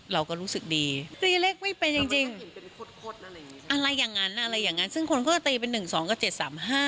เราก็รู้สึกดีตีเลขไม่เป็นจริงจริงอะไรอย่างนั้นอะไรอย่างนั้นซึ่งคนก็จะตีเป็นหนึ่งสองกับเจ็ดสามห้า